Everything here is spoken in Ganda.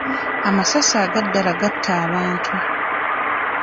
Amasasi aga ddala gatta abantu.